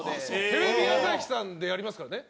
テレビ朝日さんでやりますからね。